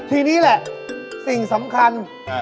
ทีนี้แหละสิ่งสำคัญ